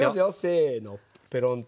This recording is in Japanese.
せのペロンと。